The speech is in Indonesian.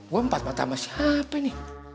dua empat mata sama siapa ini